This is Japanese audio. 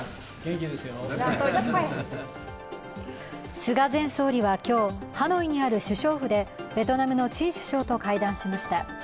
菅前総理は今日、ハノイにある首相府でベトナムのチン首相と会談しました。